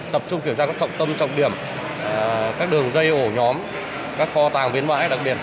tập trung kiểm tra các trọng tâm trọng điểm các đường dây ổ nhóm các kho tàng viên mãi